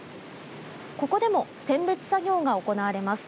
ここでも選別作業が行われます。